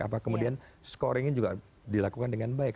apa kemudian scoringnya juga dilakukan dengan baik